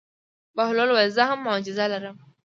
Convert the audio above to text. بهلول وویل: هو زه هم معجزه لرم.